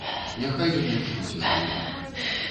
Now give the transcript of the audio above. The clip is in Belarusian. Няхай ён лепш будзе жывы.